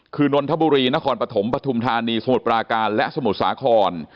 คือนนทบุรีนครปฐมปฐุมธานีสมุทรปราการและสมุทรสาคร